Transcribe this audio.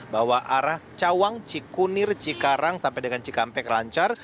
bahwa arah cawang cikunir cikarang sampai dengan cikampek lancar